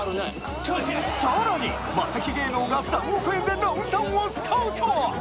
さらにマセキ芸能が３億円でダウンタウンをスカウト！